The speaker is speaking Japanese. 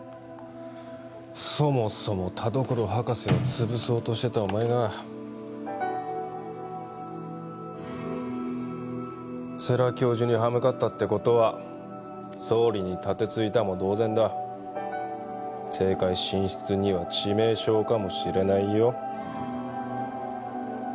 そもそも田所博士をつぶそうとしてたお前が世良教授に歯向かったってことは総理に盾突いたも同然だ政界進出には致命傷かもしれないよ？